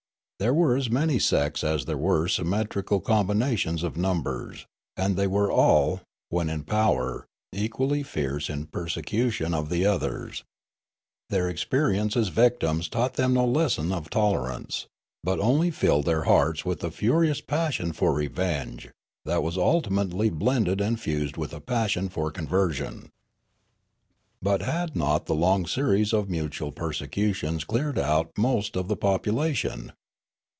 There were as many sects as there were symmetrical combinations of numbers, and they were all, wlien in power, equally fierce in persecution of the others. Their experience as victims dd' Riallaro taught them no lesson of tolerance, but only filled their hearts with a furious passion for rev'enge, that was ultimately blended and confused with a passion for conversion. " But had not the long series of mutual persecutions cleared out most of the population